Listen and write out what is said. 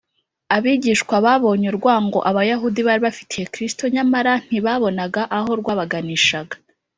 abigishwa babonye urwango abayahudi bari bafitiye kristo, nyamara ntibabonaga aho rwabaganishaga